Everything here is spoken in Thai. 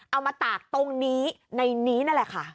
มาตากตรงนี้ในนี้นั่นแหละค่ะ